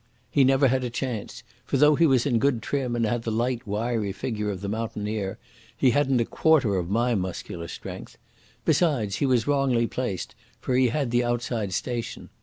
He never had a chance, for though he was in good trim and had the light, wiry figure of the mountaineer, he hadn't a quarter of my muscular strength. Besides, he was wrongly placed, for he had the outside station.